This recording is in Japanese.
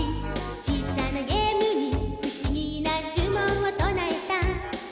「小さなゲームにふしぎなじゅもんをとなえた」